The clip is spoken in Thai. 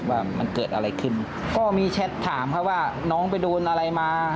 ว่ามันเกิดอะไรขึ้นก็มีแชทถามเขาว่าน้องไปโดนอะไรมา